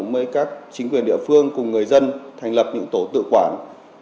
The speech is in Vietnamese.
với các chính quyền địa phương cùng người dân thành lập những tổ tự quản